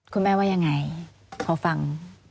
คุณแม่ว่ายังไงขอฟัง